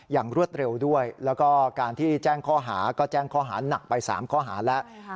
อย่างรวดเร็วด้วยแล้วก็การที่แจ้งข้อหาก็แจ้งข้อหานักไปสามข้อหาแล้วใช่ค่ะ